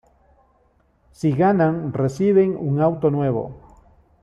Si ganan, reciben un auto nuevo.